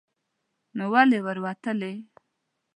نو ولې ور وتلی ؟